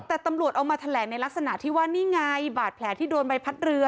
แต่ตำรวจเอามาแถลงในลักษณะที่ว่านี่ไงบาดแผลที่โดนใบพัดเรือ